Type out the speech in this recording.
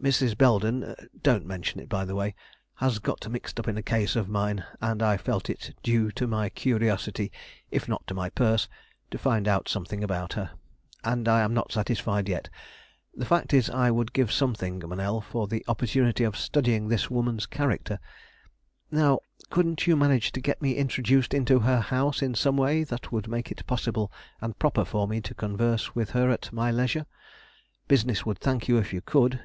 Mrs. Belden don't mention it by the way has got mixed up in a case of mine, and I felt it due to my curiosity if not to my purse, to find out something about her. And I am not satisfied yet. The fact is I would give something, Monell, for the opportunity of studying this woman's character. Now couldn't you manage to get me introduced into her house in some way that would make it possible and proper for me to converse with her at my leisure? Business would thank you if you could."